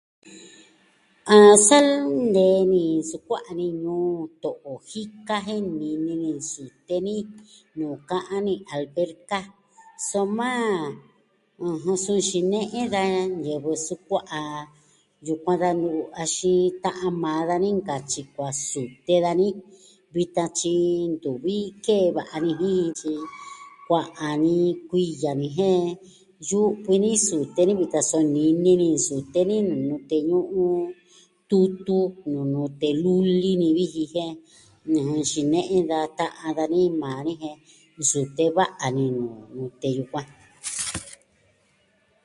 A sa nee ni sukua'a ni ñuu to'o jika jen nini ni sute ni nuu ka'an ni alverka. Soma, ɨjɨn, suu xine'e da ñivɨ sukua'a yukuan da nu'u. Axin ta'an maa dani inka tyi kua sute dani. Vitan tyi ntuvi kee va'a ni jin, tyi kua'an ni kuiya ni, jen yu'vi ni sute vitan, so nini ni nsute ni nute ñu'un, tutu ju nute luli ni vi ji jen nxine'e da ta'an dani maa ni jen nsute va'a ni nuu nute yukuan.